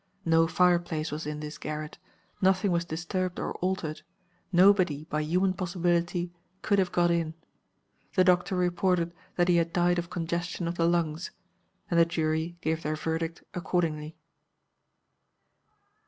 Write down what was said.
No fire place was in this garret; nothing was disturbed or altered: nobody by human possibility could have got in. The doctor reported that he had died of congestion of the lungs; and the jury gave their verdict accordingly."